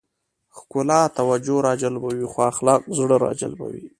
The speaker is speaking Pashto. ښکلا توجه راجلبوي خو اخلاق زړه راجلبوي.